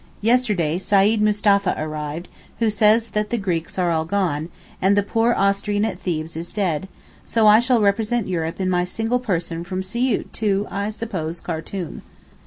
Yesterday Seyd Mustapha arrived, who says that the Greeks are all gone, and the poor Austrian at Thebes is dead, so I shall represent Europe in my single person from Siout to, I suppose, Khartoum.